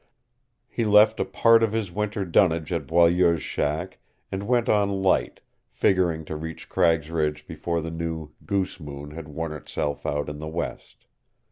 He left a part of his winter dunnage at Boileau's shack and went on light, figuring to reach Cragg's Ridge before the new "goose moon" had worn itself out in the west.